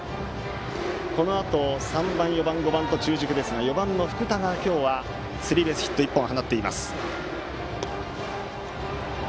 このあと３番、４番、５番と中軸ですが４番の福田が今日はスリーベースヒットを１本放っています。